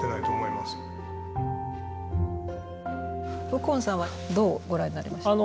右近さんはどうご覧になりました？